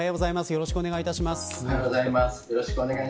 よろしくお願いします。